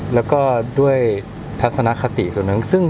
แล้วก็ด้วยทัศนคติส่วนหนึ่ง